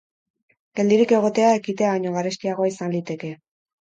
Geldirik egotea, ekitea baino garestiagoa izan liteke.